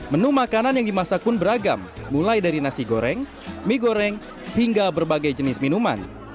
menu makanan yang dimasak pun beragam mulai dari nasi goreng mie goreng hingga berbagai jenis minuman